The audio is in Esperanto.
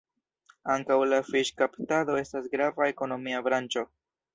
Ankaŭ la fiŝkaptado estas grava ekonomia branĉo.